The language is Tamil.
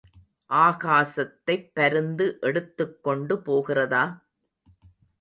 ஆகாசத்தைப் பருந்து எடுத்துக் கொண்டு போகிறதா?